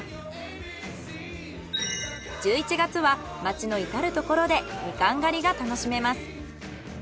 １１月は町のいたるところでミカン狩りが楽しめます。